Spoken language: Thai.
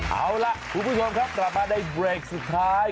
เอาล่ะคุณผู้ชมครับกลับมาในเบรกสุดท้าย